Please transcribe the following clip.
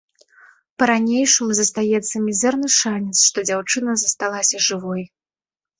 Па-ранейшаму застаецца мізэрны шанец, што дзяўчына засталася жывой.